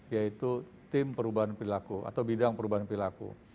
yaitu tim perubahan perilaku atau bidang perubahan perilaku